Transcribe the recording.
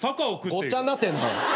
ごっちゃになってんな。